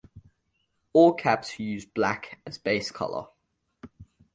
All caps use black as base colour.